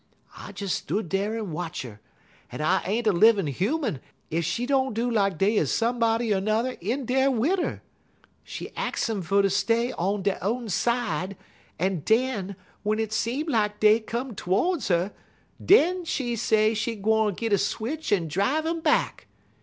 I des stood dar un watch 'er, un I ain't a livin' human ef she don't do like dey 'uz somebody er n'er in dar wid 'er. She ax um fer ter stay on dey own side, un den, w'en it seem like dey come todes 'er, den she say she gwine git a switch un drive um back.